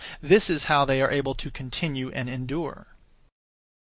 This is how they are able to continue and endure.